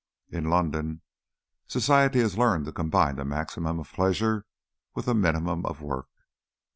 In London, society has learned to combine the maximum of pleasure with the minimum of work.